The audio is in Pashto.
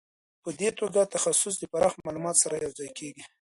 په دې توګه تخصص د پراخ معلوماتو سره یو ځای کیږي.